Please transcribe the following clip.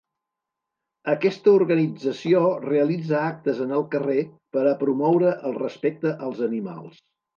Aquesta organització realitza actes en el carrer per a promoure el respecte als animals.